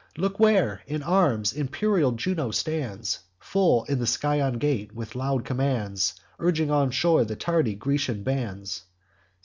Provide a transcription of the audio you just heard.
Look where, in arms, imperial Juno stands Full in the Scaean gate, with loud commands, Urging on shore the tardy Grecian bands.